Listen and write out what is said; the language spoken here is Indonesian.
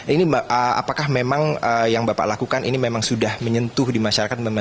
ini apakah memang yang bapak lakukan ini memang sudah menyentuh di masyarakat